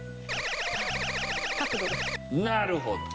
なるほど。